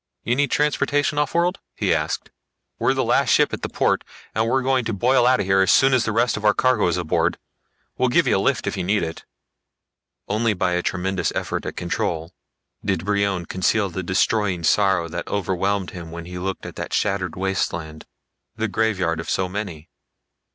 "You need transportation offworld?" he asked. "We're the last ship at the port, and we're going to boil out of here as soon as the rest of our cargo is aboard. We'll give you a lift if you need it." Only by a tremendous effort at control did Brion conceal the destroying sorrow that overwhelmed him when he looked at that shattered wasteland, the graveyard of so many.